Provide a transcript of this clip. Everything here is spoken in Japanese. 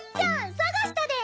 さがしたで。